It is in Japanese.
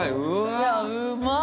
いやうまっ！